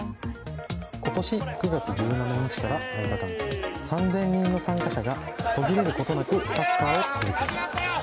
今年９月１７日から６日間３０００人の参加者が途切れることなくサッカーを続けます。